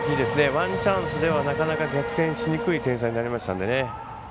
ワンチャンスではなかなか逆転しにくい点差になりましたんでね。